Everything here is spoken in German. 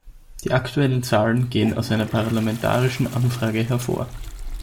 Die aktuellen Zahlen gehen aus einer parlamentarischen Anfrage hervor.